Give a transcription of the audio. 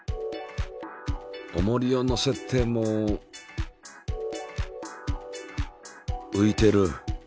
おもりをのせてもういてる。